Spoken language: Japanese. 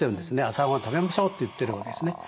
朝ごはん食べましょうって言ってるわけですね。